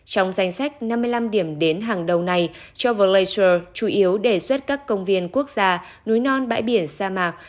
trong danh sách năm mươi năm điểm đến hàng đầu này travel laser chủ yếu đề xuất các công viên quốc gia núi non bãi biển sa mạc